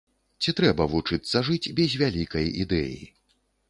Ці трэба вучыцца жыць без вялікай ідэі?